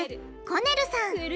コネルさん！